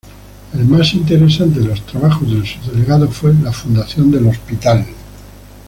El más interesante de los trabajos del subdelegado fue la fundación del hospital.